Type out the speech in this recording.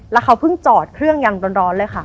แล้วเขาเพิ่งจอดเครื่องยังร้อนเลยค่ะ